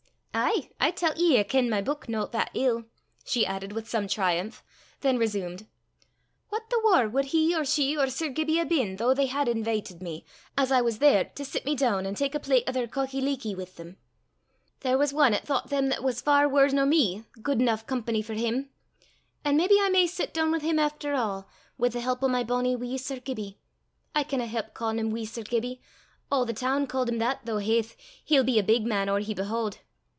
Ay! I tellt ye I kent my beuk no that ill!" she added with some triumph; then resumed: "What the waur wad he or she or Sir Gibbie hae been though they hed inveetit me, as I was there, to sit me doon, an' tak' a plet o' their cockie leekie wi' them? There was ane 'at thoucht them 'at was far waur nor me, guid eneuch company for him; an' maybe I may sit doon wi' him efter a', wi' the help o' my bonnie wee Sir Gibbie. I canna help ca'in him wee Sir Gibbie a' the toon ca'd 'im that, though haith! he'll be a big man or he behaud.